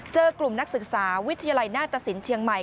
เจอกลุ่มนักศึกษาวิทยาลัยหน้าตสินเชียงใหม่